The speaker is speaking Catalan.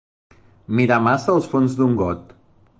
Mirar massa els fons d'un got.